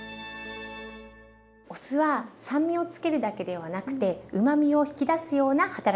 お酢は酸味を付けるだけではなくてうまみを引き出すような働きもあります。